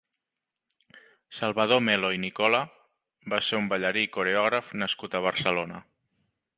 Salvador Mel·lo i Nicola va ser un ballarí i coreògraf nascut a Barcelona.